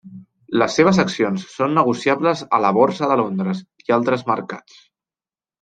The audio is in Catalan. Les seves accions són negociables a la Borsa de Londres i altres mercats.